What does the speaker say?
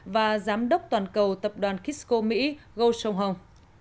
và giám đốc toàn cầu tập đoàn kisco mỹ gold song hong